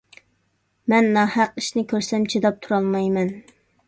مەن ناھەق ئىشنى كۆرسەم چىداپ تۇرالمايمەن.